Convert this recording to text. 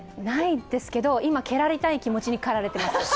ないですけど、今、蹴られたい気持ちに駆られています。